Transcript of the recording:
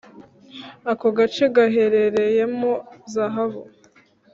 ako gace gaherereyemo zahabu